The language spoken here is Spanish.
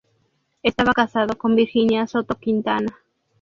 Estaba casado con Virginia Soto Quintana.